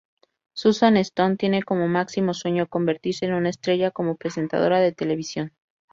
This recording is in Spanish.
Suzanne Stone tiene como máximo sueño convertirse en una estrella como presentadora de televisión.